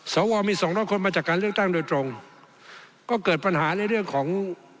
สวมีสองร้อยคนมาจากการเลือกตั้งโดยตรงก็เกิดปัญหาในเรื่องของ